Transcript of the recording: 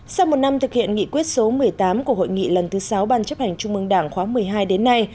sau một năm thực hiện nghị quyết số một mươi tám của hội nghị lần thứ sáu ban chấp hành trung mương đảng khóa một mươi hai đến nay